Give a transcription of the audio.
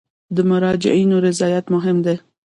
د مراجعینو رضایت مهم دی